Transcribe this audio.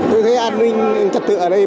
tôi thấy an ninh trật tự ở đây